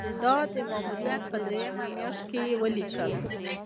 دا د ماموریت په دریمه میاشت کې یې ولیکل.